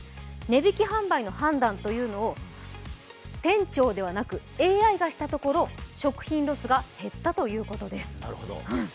値引き販売の判断というのを店長ではなくＡＩがしたところ食品ロスが減ったということです。